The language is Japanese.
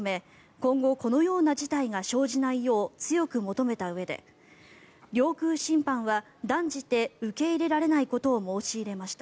今後このような事態が生じないよう強く求めたうえで領空侵犯は断じて受け入れられないことを申し入れました。